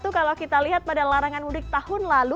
kalau kita lihat pada larangan mudik tahun lalu